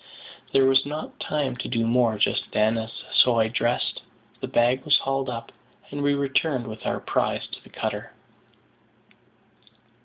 There was not time to do more just then, so I dressed, the bag was hauled up, and we returned with our prize to the cutter.